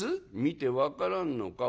「見て分からんのか？」。